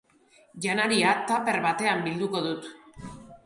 Janaria tuper batean bilduko dut.